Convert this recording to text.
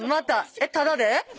えっタダで？